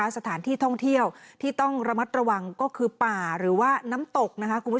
สถานที่ท่องเที่ยวที่ต้องระมัดระวังก็คือป่าหรือว่าน้ำตก